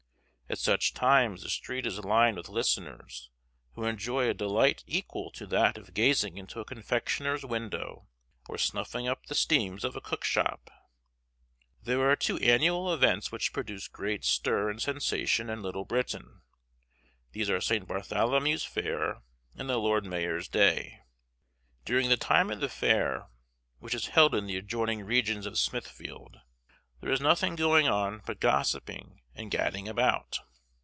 At such times the street is lined with listeners, who enjoy a delight equal to that of gazing into a confectioner's window or snuffing up the steams of a cook shop. There are two annual events which produce great stir and sensation in Little Britain: these are St. Bartholomew's Fair and the Lord Mayor's Day. During the time of the Fair, which is held in the adjoining regions of Smithfield, there is nothing going on but gossiping and gadding about.